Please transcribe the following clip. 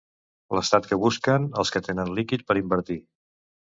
L'estat que busquen els que tenen líquid per invertir.